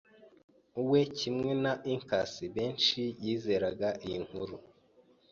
We, kimwe na Incas benshi, yizeraga iyi nkuru.